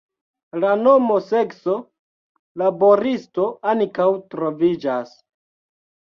La nomo sekso–laboristo ankaŭ troviĝas.